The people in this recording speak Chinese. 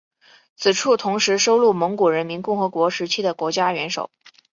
此处同时收录蒙古人民共和国时期的国家元首。